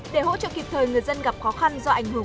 để hỗ trợ kịp thời người dân gặp khó khăn do ảnh hưởng